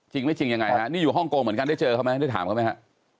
จริงไม่จริงยังไงฮะนี่อยู่ฮ่องกงเหมือนกันได้เจอเขาไหมได้ถามเขาไหมฮะ